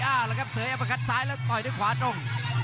อ้าล่ะครับเสือแอบมะคัดซ้ายแล้วต่อยด้วยขวาตรง